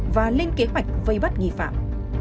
và lên kế hoạch vây bắt nghi phạm